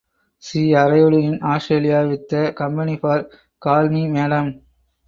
She arrived in Australia with the company for "Call Me Madam".